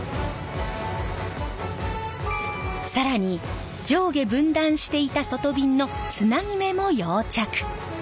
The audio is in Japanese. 更に上下分断していた外びんのつなぎ目も溶着。